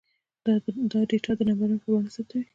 دا ډاټا د نمبرونو په بڼه ثبتوي.